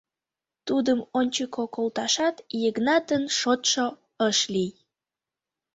Тудым ончыко колташат Йыгнатын шотшо ыш лий.